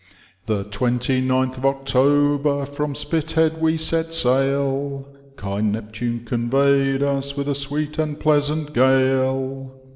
The twenty ninth of October from Spithead we set sail. Kind Neptune convey'd us with a sweet and pleasant gale.